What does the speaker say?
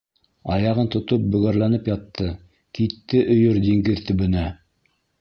Аяғын тотоп бөгәрләнеп ятты: «Китте өйөр диңгеҙ төбөнә...»